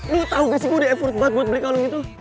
lo tau gak sih gue udah effort banget buat beli kalung itu